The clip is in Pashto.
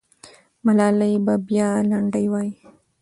ملالۍ به بیا لنډۍ وایي.